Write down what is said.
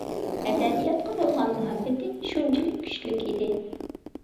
ئەدەبىياتقا بولغان مۇھەببىتى شۇنچىلىك كۈچلۈك ئىدى.